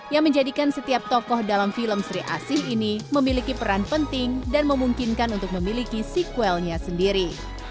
yang menjadikan setiap tokoh dalam film sri asih ini memiliki peran penting dan memungkinkan untuk memiliki sequelnya sendiri